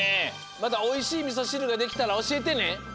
またおいしいみそしるができたらおしえてね。